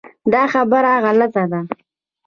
دا خبره غلطه ده .